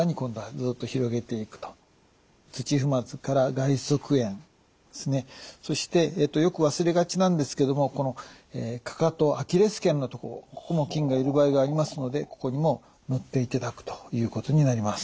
そして土踏まずから外側縁ですねそしてよく忘れがちなんですけどもかかとアキレス腱のとこここも菌がいる場合がありますのでここにも塗っていただくということになります。